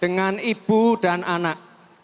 dengan ibu dan anak